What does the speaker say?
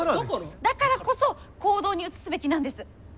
だからこそ行動に移すべきなんです！